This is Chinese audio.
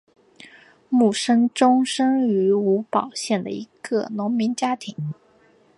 慕生忠生于吴堡县的一个农民家庭。